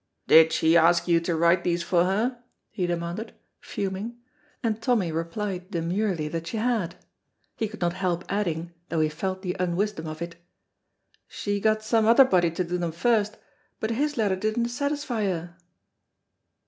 "Did she ask you to write these for her?" he demanded, fuming, and Tommy replied demurely that she had. He could not help adding, though he felt the unwisdom of it, "She got some other body to do them first, but his letters didna satisfy her."